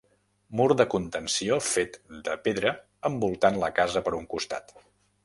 Mur de contenció fet de pedra envoltant la casa per un costat.